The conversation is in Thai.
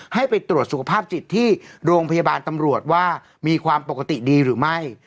ให้ไปตรวจสุขภาพจิตที่โรงพยาบาลตำรวจว่ามีความปกติดีหรือไม่